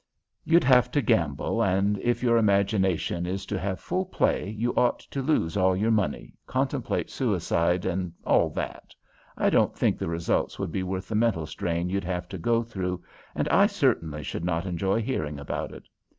You'd have to gamble, and if your imagination is to have full play you ought to lose all your money, contemplate suicide, and all that. I don't think the results would be worth the mental strain you'd have to go through, and I certainly should not enjoy hearing about it.